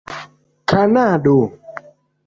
kanado